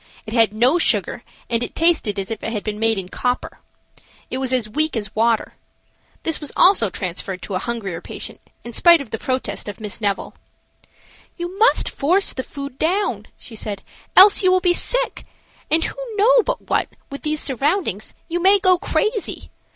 It had no sugar, and it tasted as if it had been made in copper. It was as weak as water. This was also transferred to a hungrier patient, in spite of the protest of Miss Neville. "You must force the food down," she said, "else you will be sick, and who know but what, with these surroundings, you may go crazy.